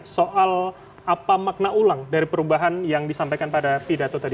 soal apa makna ulang dari perubahan yang disampaikan pada pidato tadi